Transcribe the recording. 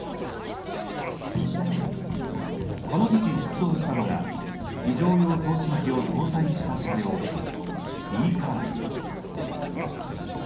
このとき出動したのが非常用送信機を搭載した車両Ｅカーです。